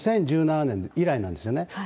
２０１７年以来なんですよね。